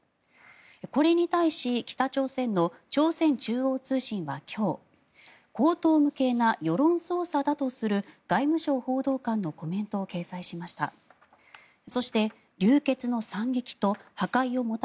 これに対し北朝鮮の朝鮮中央通信は今日荒唐無稽な世論操作だとする外務省報道官のコメントを掲載しました。